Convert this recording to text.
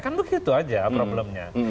kan begitu saja problemnya